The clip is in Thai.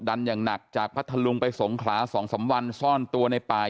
ดันอย่างหนักจากพระทะลุงไปสงขลาสองสามวันซ่อนตัวในป่า